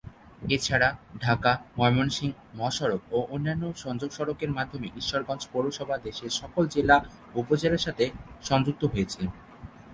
এছাড়া ঢাকা-ময়মনসিংহ মহাসড়ক ও অন্যান্য সংযোগ সড়কের মাধ্যমে ঈশ্বরগঞ্জ পৌরসভা দেশের সকল জেলা ও উপজেলার সাথে সংযুক্ত হয়েছে।